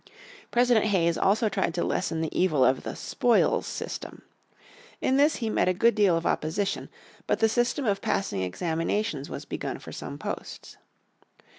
President Hayes also tried to lessen the evil of the "spoils system." In this he met a good deal of opposition. But the system of passing examinations was begun for some posts.